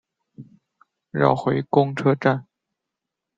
绕回公车站